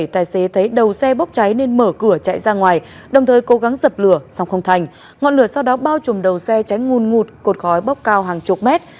tài xế thấy đầu xe bốc cháy nên mở cửa chạy ra ngoài đồng thời cố gắng dập lửa xong không thành ngọn lửa sau đó bao trùm đầu xe cháy nguồn ngụt cột khói bốc cao hàng chục mét